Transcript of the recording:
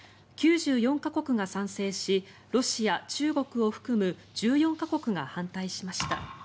９４か国が賛成しロシア、中国を含む１４か国が反対しました。